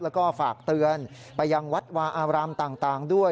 แล้วก็ฝากเตือนไปยังวัดวาอารามต่างด้วย